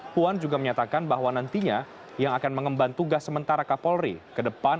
puan juga menyatakan bahwa nantinya yang akan mengemban tugas sementara kapolri ke depan